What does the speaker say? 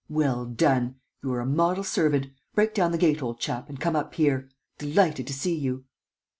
Well done! You are a model servant! Break down the gate, old chap, and come up here; delighted to see you!"